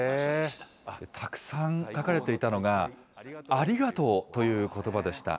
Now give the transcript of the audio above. たくさん書かれていたのが、ありがとうということばでした。